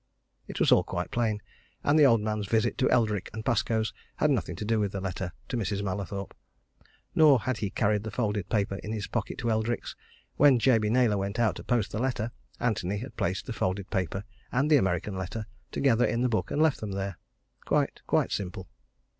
It was all quite plain and the old man's visit to Eldrick & Pascoe's had nothing to do with the letter to Mrs. Mallathorpe. Nor had he carried the folded paper in his pocket to Eldrick's when Jabey Naylor went out to post the letter, Antony had placed the folded paper and the American letter together in the book and left them there. Quite, quite simple!